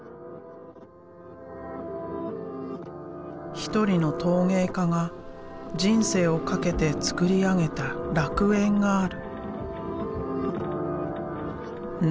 一人の陶芸家が人生をかけて創り上げた楽園がある。